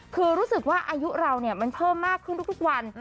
คือรู้สึกว่าอายุเรามันเพิ่มมากขึ้นทุกวัน